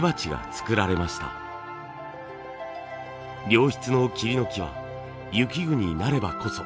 良質の桐の木は雪国なればこそ。